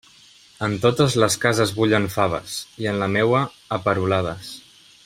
En totes les cases bullen faves, i en la meua, a perolades.